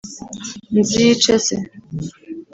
Nziyice se